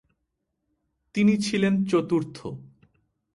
তিনি ছিলেন চতুর্থ।